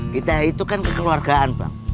kita itu kan kekeluargaan bang